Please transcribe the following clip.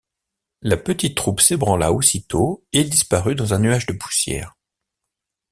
La petite troupe s’ébranla aussitôt et disparut dans un nuage de poussière.